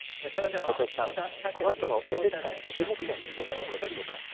徳橋さん、このあとの演説会の注目点、どんなところでしょうか。